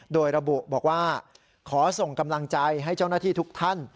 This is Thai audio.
โดยระบุบอกว่าขอส่งกำลังใจให้เจ้าหน้าที่ทุกท่าน